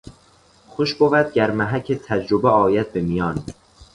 خوش بود گر محک تجربه آید به میان